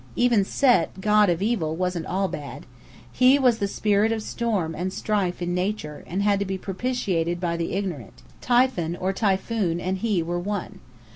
Even Set, god of evil, wasn't all bad. He was the Spirit of Storm and Strife in Nature, and had to be propitiated by the ignorant. Typhon, or Typhoon, and he were one.